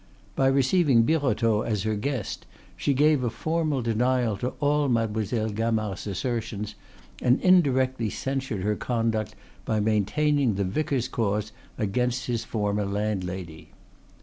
By receiving Birotteau as her guest she gave a formal denial to all Mademoiselle Gamard's assertions, and indirectly censured her conduct by maintaining the vicar's cause against his former landlady.